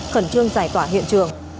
khẩn trương giải tỏa hiện trường